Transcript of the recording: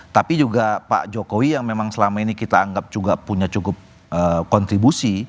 tapi juga pak jokowi yang memang selama ini kita anggap juga punya cukup kontribusi